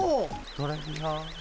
トレビアン。